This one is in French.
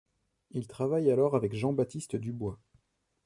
Il travaille alors avec Jean-Baptiste Dubois.